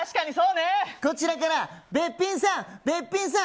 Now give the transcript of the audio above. こっちからべっぴんさん、べっぴんさん。